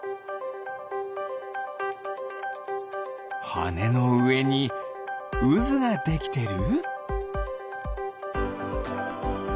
はねのうえにうずができてる？